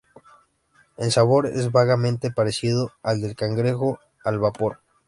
El sabor es vagamente parecido al del cangrejo al vapor.